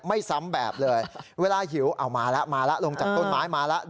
ไม่ซ้ำแบบเลยเวลาหิวเอามาแล้วมาแล้วลงจากต้นไม้มาแล้ว